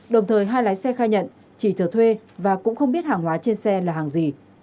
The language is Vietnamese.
đồng thời hai lái xe khai nhận chỉ trở thuê và cũng không biết hàng hóa trên xe là hàng gì